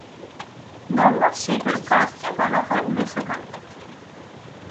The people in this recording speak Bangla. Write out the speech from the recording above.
নরমাল শেপের কার্ভকে বলা হয় মেসোকার্টিক।